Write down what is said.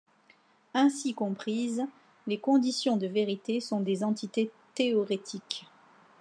Ainsi comprises, les conditions de vérité sont des entités théorétiques.